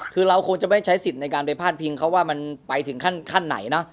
คือเราคงจะไม่ใช้สิทธิ์ในการไปพาดพิงเขาว่ามันไปถึงขั้นไหนเนอะ